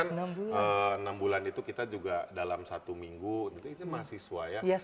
tapi kan enam bulan itu kita juga dalam satu minggu itu masih sesuai ya